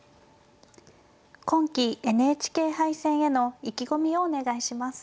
今期ＮＨＫ杯戦への意気込みをお願いします。